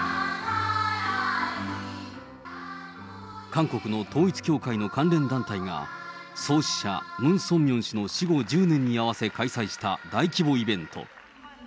韓国の統一教会の関連団体が、創始者、ムン・ソンミョン氏の死後１０年に合わせ開催した大規模イベント。